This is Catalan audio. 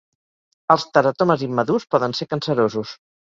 Els teratomes immadurs poden ser cancerosos.